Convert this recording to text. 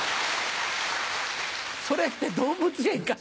それって動物園か？